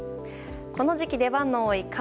この時期、出番の多い傘。